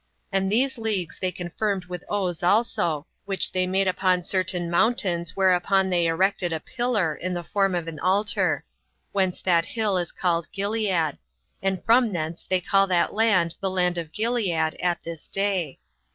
And these leagues they confirmed with oaths also, which the made upon certain as whereon they erected a pillar, in the form of an altar: whence that hill is called Gilead; and from thence they call that land the Land of Gilead at this day.